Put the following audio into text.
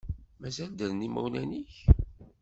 Mazal ddren yimawlen-ik?